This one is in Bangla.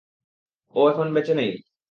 ও এখন বেঁচে নেই।